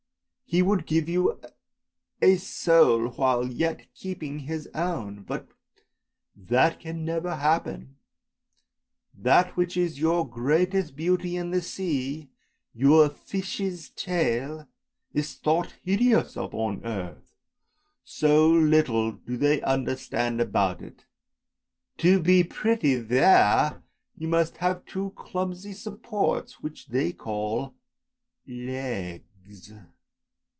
He would give you a soul while yet keeping his own. But that can never happen! That which is your greatest beauty in the sea, your fish's tail, is thought hideous up on earth, so little do they understand about it; to be pretty there you must have two clumsy supports which they call legs!